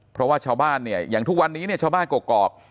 เพราะว่าชาวบ้านเนี่ยอย่างทุกวันนี้เนี่ยชาวบ้านกรอก